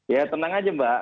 ya tenang saja mbak